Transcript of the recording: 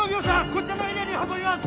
こちらのエリアに運びます